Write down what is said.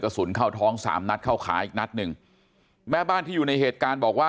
สุนเข้าท้องสามนัดเข้าขาอีกนัดหนึ่งแม่บ้านที่อยู่ในเหตุการณ์บอกว่า